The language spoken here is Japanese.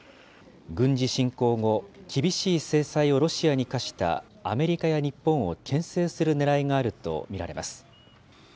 軍事侵攻後、厳しい制裁をロシアに科したアメリカや日本をけん制するねらいがあると見られます。